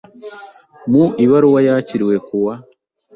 mu ibaruwa yakiriwe ku wa